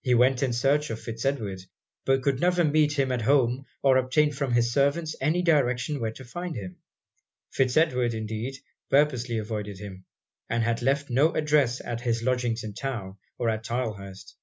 He went in search of Fitz Edward; but could never meet him at home or obtain from his servants any direction where to find him. Fitz Edward, indeed, purposely avoided him, and had left no address at his lodgings in town, or at Tylehurst.